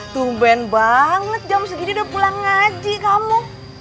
tumben banget jam segini udah pulang ngaji kamu